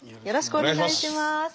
よろしくお願いします。